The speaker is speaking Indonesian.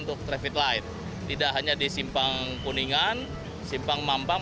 untuk traffic light tidak hanya di simpang kuningan simpang mampang